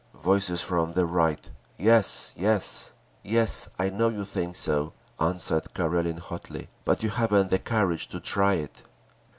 Voices from the Right, "Yes! Yes!" "Yes, I know you think so," answered Karelin, hotly. "But you haven't the courage to try it!"